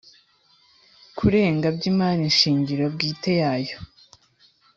Kurenga by imari shingiro bwite yayo